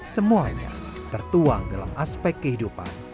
semuanya tertuang dalam aspek kehidupan